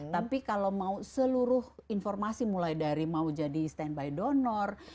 tapi kalau mau seluruh informasi mulai dari mau jadi standby donor